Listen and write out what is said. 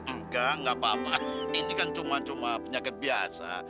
enggak enggak apa apa ini kan cuma cuma penyakit biasa